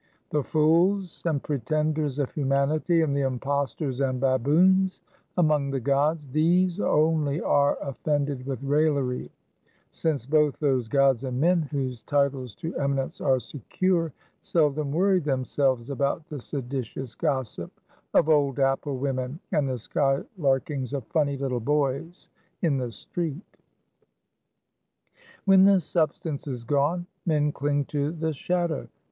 The fools and pretenders of humanity, and the impostors and baboons among the gods, these only are offended with raillery; since both those gods and men whose titles to eminence are secure, seldom worry themselves about the seditious gossip of old apple women, and the skylarkings of funny little boys in the street. When the substance is gone, men cling to the shadow.